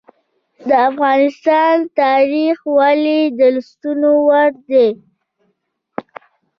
د افغانستان تاریخ ولې د لوستلو وړ دی؟